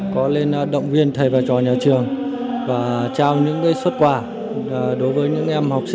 có lên động viên thầy và trò nhà trường